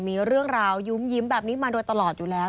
มีเรื่องราวยิ้มแบบนี้มาโดยตลอดอยู่แล้ว